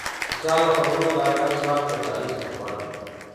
د خیال او خبرو دا ګډ ځواک د تاریخ محور دی.